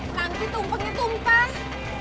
nanti tumpengnya tumpang